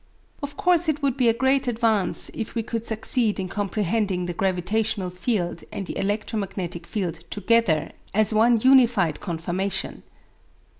Of course it would be a great advance if we could succeed in comprehending the gravitational field and the electromagnetic field together as one unified conformation.